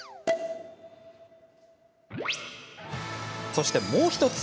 そして、もう１つ。